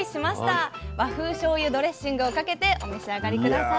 和風しょうゆドレッシングをかけてお召し上がり下さい。